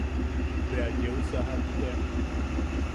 Bea yeu sajak tea.